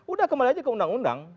udah kembali aja ke undang undang